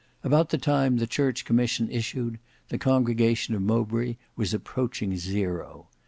About the time the Church Commission issued, the congregation of Mowbray was approaching zero.